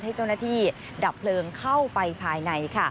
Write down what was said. ให้เจ้าหน้าที่ดับเพลิงเข้าไปภายใน